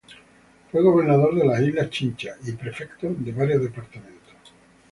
Fue gobernador de las islas Chincha y prefecto de varios departamentos.